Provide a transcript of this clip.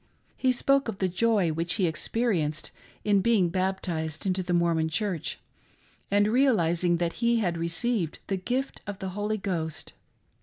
He spoke of the joy which he had experienced in being bap tized into the Mormon Church and realising that he had received the " gift of the Holy Ghost."